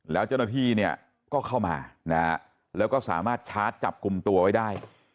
แล้วเจ้าหน้าที่เนี่ยก็เข้ามานะฮะแล้วก็สามารถชาร์จจับกลุ่มตัวไว้ได้